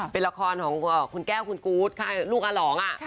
เป็นละครของคุณแก้วคุณกู๊ดลูกอร่องอ่ะ